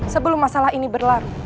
sebelum masalah ini berlarut